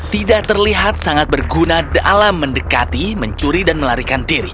tidak terlihat sangat berguna dalam mendekati mencuri dan melarikan diri